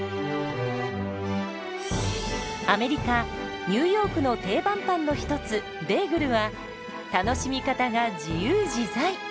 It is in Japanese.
アメリカ・ニューヨークの定番パンの一つベーグルは楽しみ方が自由自在！